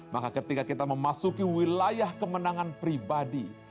maka ketika kita memasuki wilayah kemenangan pribadi